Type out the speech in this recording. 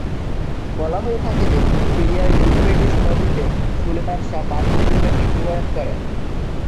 বলা হয়ে থাকে যে, সিরিয়ায় ইউফ্রেটিস নদীতে সুলেমান শাহ পানিতে ডুবে মৃত্যুবরণ করেন।